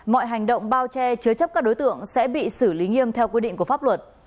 mọi hành động bao che chứa chấp các đối tượng sẽ bị xử lý nghiêm theo quy định của pháp luật